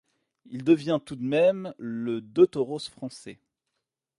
Il devient tout de même le de toros français.